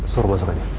suruh masuk aja